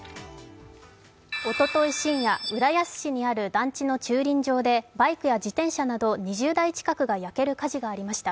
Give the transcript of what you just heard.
おととい深夜、浦安市にある団地の駐輪場でバイクや自転車など、２０台近くが焼ける火事がありました。